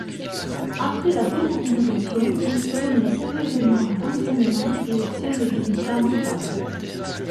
Après la démobilisation, il se remet sérieusement à l'entraînement et obtient des résultats notables.